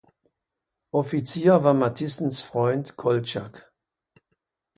Offizier war Matissens Freund Koltschak.